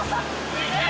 すげえ。